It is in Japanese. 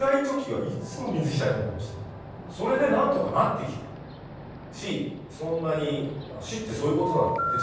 それで何とかなってきたしそんなに死ってそういうことなんだって。